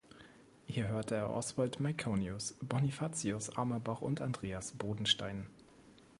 Hier hörte er Oswald Myconius, Bonifacius Amerbach und Andreas Bodenstein.